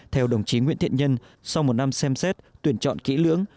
theo đồng chí nguyễn thiện nhân sau một năm xem xét tuyển chọn kỹ lưỡng